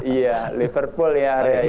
iya liverpool ya aria